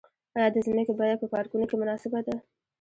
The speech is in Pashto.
آیا د ځمکې بیه په پارکونو کې مناسبه ده؟